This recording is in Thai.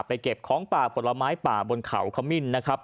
เก็บของป่าผลไม้ป่าบนเขาขมิ้นนะครับ